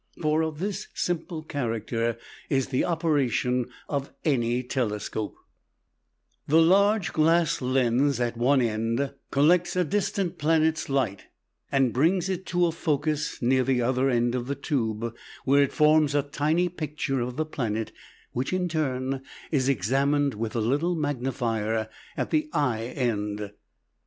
For of this simple character is the operation of any telescope: the large glass lens at one end collects a distant planet's light, and brings it to a focus near the other end of the tube, where it forms a tiny picture of the planet, which, in turn, is examined with the little magnifier at the eye end.